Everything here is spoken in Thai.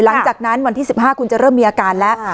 หลังจากนั้นวันที่๑๕คุณจะเริ่มมีอาการแล้ว